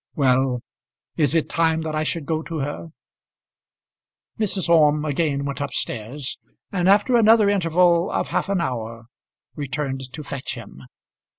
Well; is it time that I should go to her?" Mrs. Orme again went up stairs, and after another interval of half an hour returned to fetch him.